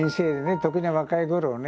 特に若いころね